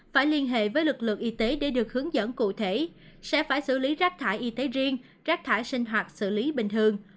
phải liên hệ với lực lượng y tế để được hướng dẫn cụ thể sẽ phải xử lý rác thải y tế riêng rác thải sinh hoạt xử lý bình thường